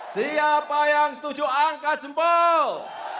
siapa yang setuju angka jempol